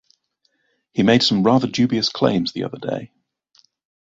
He made some rather dubious claims the other day.